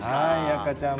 赤ちゃんも。